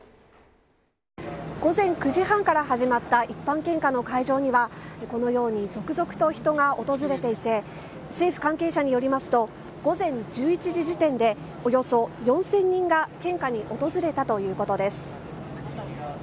午前９時半から始まった一般献花の会場にはこのように続々と人が訪れていて政府関係者によりますと午前１１時時点でおよそ４０００人が献花に訪れたということです。